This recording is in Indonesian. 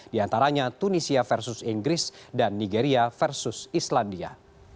di antaranya tunisia versus inggris dan nigeria versus islandia